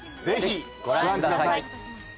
ぜひご覧ください。